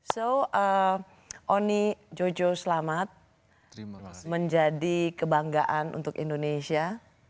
so oni jojo selamat menjadi kebanggaan untuk indonesia